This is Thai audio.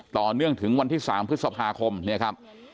ต่อเนื่องถึงวันที่๓พฤษภาคมเนี่ยครับ